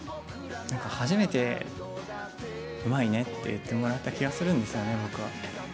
なんか初めて、うまいねって言ってもらえた気がするんですよね、僕は。